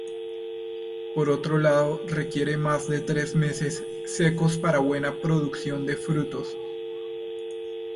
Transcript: Por otro lado, requiere más de tres meses secos para buena producción de frutos.